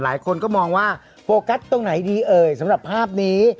หลายคนก็มองว่าโฟกัสตรงไหนดีเอ่ยสำหรับภาพนี้